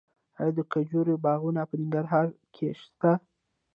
آیا د کجورې باغونه په ننګرهار کې شته؟